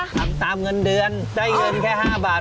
ทำตามเงินเดือนได้เงินแค่๕บาท